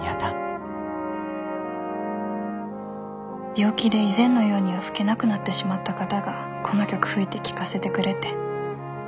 病気で以前のようには吹けなくなってしまった方がこの曲吹いて聴かせてくれて。